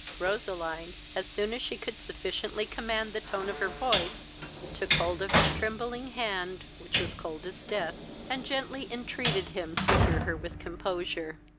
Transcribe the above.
Roseline, as soon as she could sufficiently command the tone of her voice, took hold of his trembling hand, which was cold as death, and gently intreated him to hear her with composure.